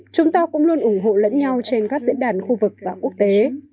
chúng ta cũng luôn ủng hộ lẫn nhau trên các diễn đàn khu vực và quốc tế